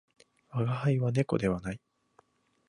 我が輩は猫ではない